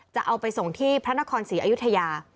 จะเอาไปส่งที่พระนครศรีอยุธยา